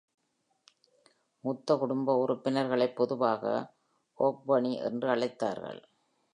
மூத்த குடும்ப உறுப்பினர்களைப் பொதுவாக "Ogboni" என்று அழைத்தார்கள்.